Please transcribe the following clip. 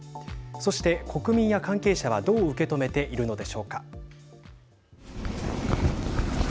そして、国民や関係者はどう受け止めているのでしょうか。